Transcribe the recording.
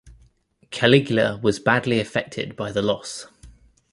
Caligula was badly affected by the loss.